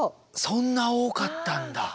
そんな多かったんだ。